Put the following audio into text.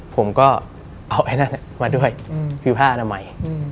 ผมก็เอาซักอะไรมาด้วยคือผ้าอะนำไหว